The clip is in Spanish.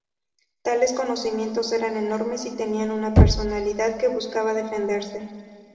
Tales conocimientos eran enormes y tenían una personalidad que buscaba defenderse.